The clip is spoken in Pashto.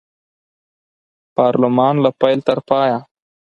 پارلمان له پیل تر پایه